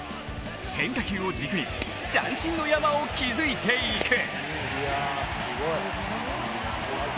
変化球を軸に三振の山を築いていく。